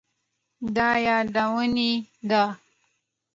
د يادونې ده،